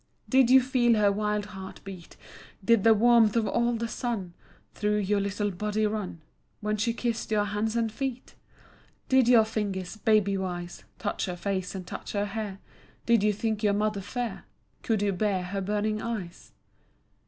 Did you feel her wild heart beat? Did the warmth of all the sun Thro' your little body run When she kissed your hands and feet? Did your fingers, babywise, Touch her face and touch her hair, Did you think your mother fair, Could you bear her burning eyes?